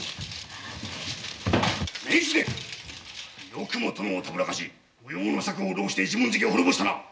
よくも殿をたぶらかし無用の策を弄して一文字家を滅ぼしたな！